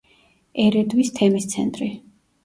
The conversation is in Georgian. ერედვის თემის ცენტრი.